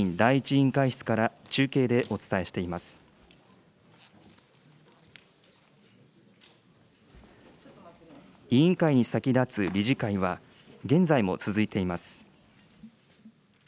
委員会に先立つ理事会は、現在も続いています。